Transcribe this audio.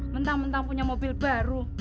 mentang mentang punya mobil baru